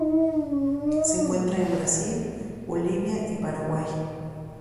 Se encuentra en Brasil Bolivia y Paraguay.